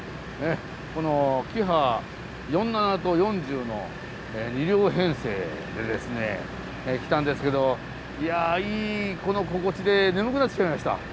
このキハ４７と４０の２両編成でですね来たんですけどいやいい心地で眠くなってしまいました。